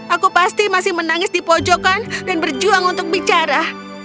aku pasti masih menangis di pojokan dan berjuang untuk bicara